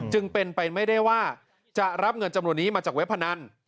จึงเป็นไปไม่ได้ว่าจะรับเงินจำนวนนี้มาจากเว็บพนัน